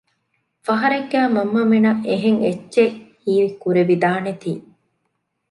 ފަހަރެއްގައި މަންމަމެންނަށް އެހެން އެއްޗެއް ހީ ކުރެވިދާނެތީ